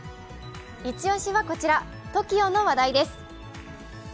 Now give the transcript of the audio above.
一押しはこちらＴＯＫＩＯの話題です。